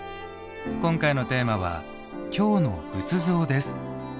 今回のテーマは「京の仏像」です。